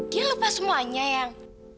dia lupa semuanya eyang